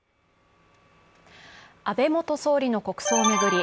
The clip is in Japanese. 安倍元総理の国葬を巡り